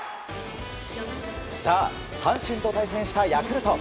阪神と対戦したヤクルト。